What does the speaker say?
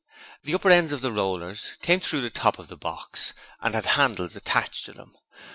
The upper ends of the rollers came through the top of the box and had handles attached to them.